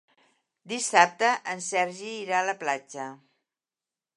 Dissabte en Sergi irà a la platja.